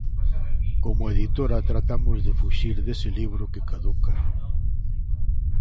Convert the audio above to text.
Como editora tratamos de fuxir dese libro que caduca.